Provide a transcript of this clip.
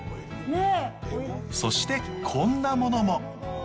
そしてこんなものも。